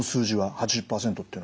８０％っていうのは。